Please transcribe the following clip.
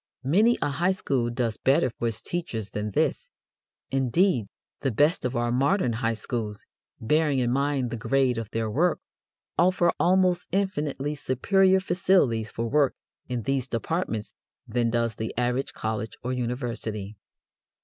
Many a high school does better for its teachers than this; indeed, the best of our modern high schools, bearing in mind the grade of their work, offer almost infinitely superior facilities for work in these departments than does the average college or university.